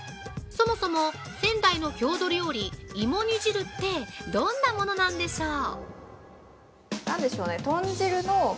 そもそも仙台の郷土料理、芋煮汁ってどんなものなんでしょう。